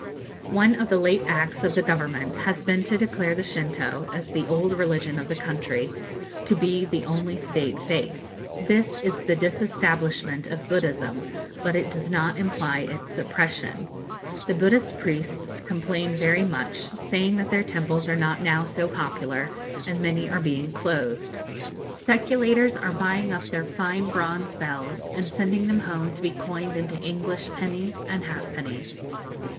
One of the late acts of the government has been to declare the Shintoo, as the old religion of the country, to be the only State faith. This is the disestablishment of Buddhism, but it does not imply its suppression. The Buddhist priests complain very much, saying that their temples are not now so popular, and many are being closed. Speculators are buying up their fine bronze bells, and sending them home to be coined into English pennies and halfpennies.